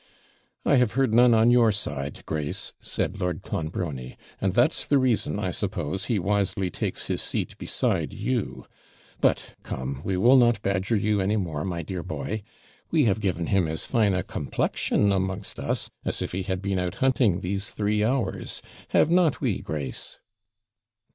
'I have heard none on your side, Grace,' said Lord Clonbrony; 'and that's the reason, I suppose, he wisely takes his seat beside you. But, come, we will not badger you any more, my dear boy. We have given him as fine a complexion amongst us as if he had been out hunting these three hours; have not we, Grace?'